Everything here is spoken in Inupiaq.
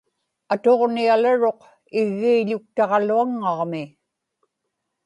atuġnialaruq iggiił̣uktaġaluaŋŋaġmi